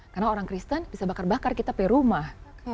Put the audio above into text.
karena orang kristen bisa bakar bakar kita perumah